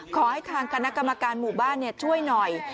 ขอให้ทางคณะกรรมการหมู่บ้านช่วยหน่อย